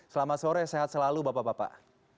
selamat sore sehat selalu bapak bapak